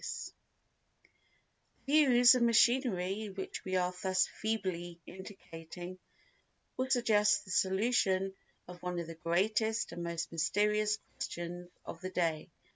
The views of machinery which we are thus feebly indicating will suggest the solution of one of the greatest and most mysterious questions of the day.